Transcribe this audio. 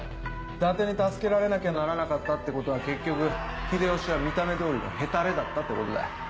伊達に助けられなきゃならなかったってことは結局秀吉は見た目通りのヘタレだったってことだ。